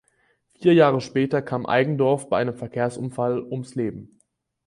Vier Jahre später kam Eigendorf bei einem Verkehrsunfall ums Leben.